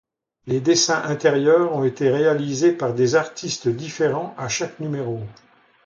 Les dessins intérieurs ont été réalisés par des artistes différents à chaque numéro.